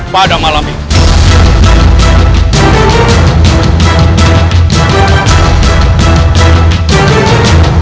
pada malam ini